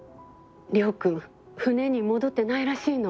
亮君船に戻ってないらしいの。